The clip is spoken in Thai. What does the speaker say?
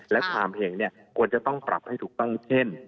และความเห็นควรจะต้องปรับให้ถูกต้องเช่น